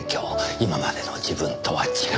今までの自分とは違う。